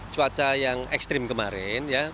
cuaca yang ekstrim kemarin